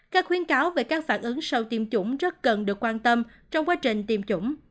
các khuyến cáo về các phản ứng sau tiêm chủng rất cần được quan tâm trong quá trình tiêm chủng